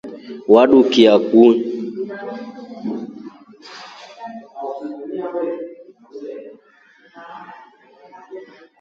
Wadukia kwii?